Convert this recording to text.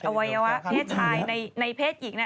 เอาไว้ว่าเพศชายในเพศหญิง